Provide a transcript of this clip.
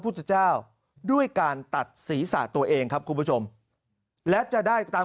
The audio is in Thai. พุทธเจ้าด้วยการตัดศีรษะตัวเองครับคุณผู้ชมและจะได้ตาม